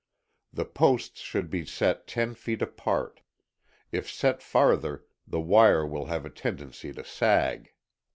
The posts should be set ten feet apart. If set farther the wire will have a tendency to sag.